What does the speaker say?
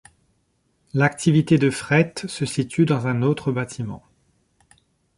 L'activité de fret se situe dans un autre bâtiment.